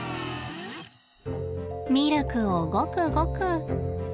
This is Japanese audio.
ミルクをごくごく。